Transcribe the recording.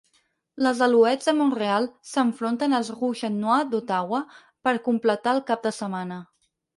Les Alouettes de Mont-real s'enfronten als Rouge et Noir d'Ottawa per completar el cap de setmana.